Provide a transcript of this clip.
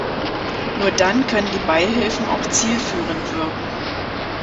Nur dann können die Beihilfen auch zielführend wirken.